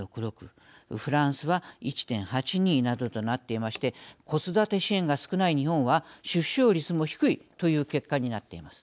フランスは１．８２などとなっていまして子育て支援が少ない日本は出生率も低いという結果になっています。